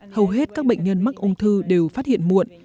hầu hết các bệnh nhân mắc ung thư đều phát hiện muộn